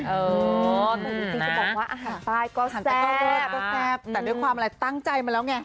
เออจริงจริงจะบอกว่าอาหารปลายก็แซ่บแต่ด้วยความอะไรตั้งใจมาแล้วไง